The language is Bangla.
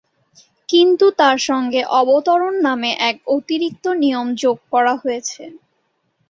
কিন্তু তাঁর সঙ্গে অবতরণ নামে এক অতিরিক্ত নিয়ম যোগ করা আছে।